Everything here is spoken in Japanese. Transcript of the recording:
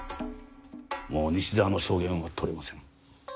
もう西澤の証言は取れません。